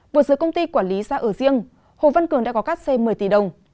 buộc giữa công ty quản lý ra ở riêng hồ văn cường đã có các xe một mươi tỷ đồng